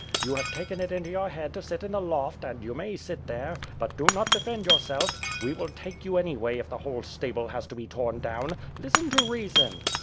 You have taken it into your head to sit in the loft and you may sit there; but do not defend yourself. We will take you any way, if the whole stable has to be torn down. Listen to reason."